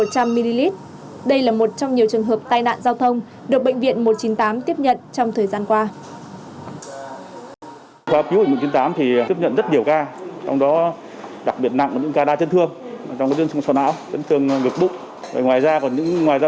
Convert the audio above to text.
đây là một trong nhiều trường hợp tai nạn giao thông được bệnh viện một trăm chín mươi tám tiếp nhận trong thời gian qua